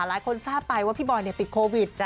หลายคนทราบไปว่าพี่บอยติดโควิด